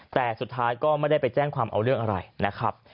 แต่สุดท้ายก็ไม่ได้ไปแจ้งความเอาเรื่องอะไรนะครับ